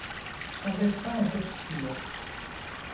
Son destin est obscur.